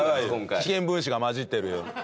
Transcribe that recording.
危険分子が交じってるよ。